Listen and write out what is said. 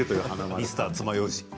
ミスターつまようじ。